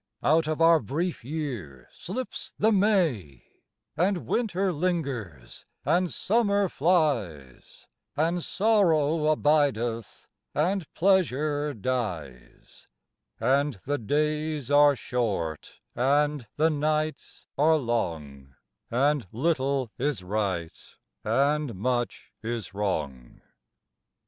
Out of our brief year slips the May; And Winter lingers, and Summer flies; And Sorrow abideth, and Pleasure dies; And the days are short, and the nights are long; And little is right, and much is wrong.